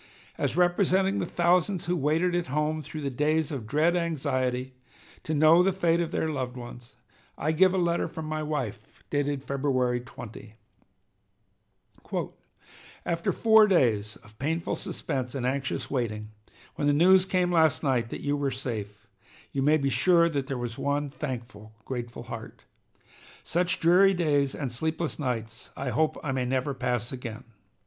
As representing the thousands who waited at home through the days of dread anxiety to know the fate of their loved ones, I give a letter from my wife dated February 20: "After four days of painful suspense and anxious waiting, when the news came last night that you were safe, you may be sure there was one thankful, grateful heart. Such dreary days and sleepless nights I hope I may never pass again.